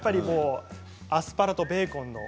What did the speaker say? アスパラとベーコンの。